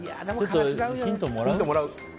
ヒントもらう。